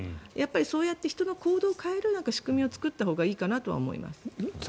そうやって人の行動を変える仕組みを作ったほうがいいかなと思います。